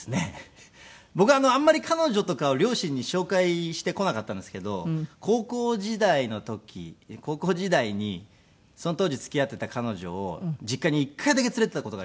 僕あんまり彼女とかを両親に紹介してこなかったんですけど高校時代の時高校時代にその当時付き合っていた彼女を実家に１回だけ連れて行った事がありまして。